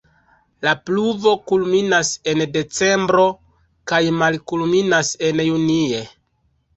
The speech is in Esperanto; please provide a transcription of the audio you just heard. La pluvo kulminas en decembro kaj malkulminas en junie.